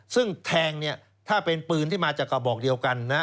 ซึ่งแทงเนี่ยถ้าเป็นปืนที่มาจากกระบอกเดียวกันนะ